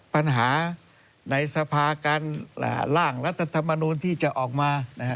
ปัญหาในสภาการร่างรัฐธรรมนูลที่จะออกมา